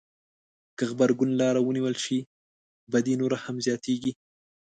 که غبرګون لاره ونیول شي بدي نوره هم زياتېږي.